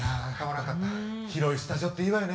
広いスタジオっていいわよね